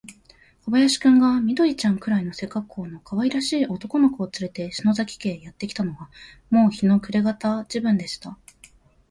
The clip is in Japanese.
小林君が、緑ちゃんくらいの背かっこうのかわいらしい男の子をつれて、篠崎家へやってきたのは、もう日の暮れがた時分でした。